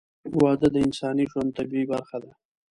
• واده د انساني ژوند طبیعي برخه ده.